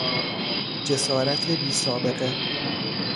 جسارت بیسابقه